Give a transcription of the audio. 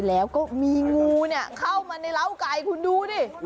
แล้วก็มีงูเข้ามาในร้าวไก่คุณดูดิ